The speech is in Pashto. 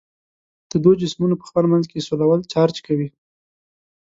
د دوو جسمونو په خپل منځ کې سولول چارج کوي.